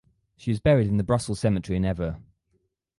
She is buried in the Brussels Cemetery in Evere.